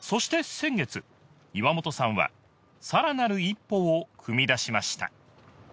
先月岩元さんはさらなる一歩を踏み出しました